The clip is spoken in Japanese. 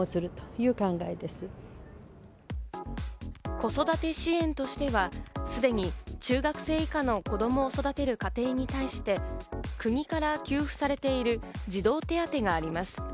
子育て支援としてはすでに中学生以下の子供を育てる家庭に対して国から給付されている児童手当があります。